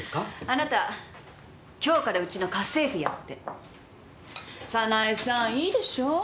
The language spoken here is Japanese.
あなた今日からうちの家政婦やって早苗さんいいでしょう？